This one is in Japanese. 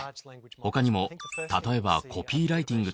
他にも例えばコピーライティング。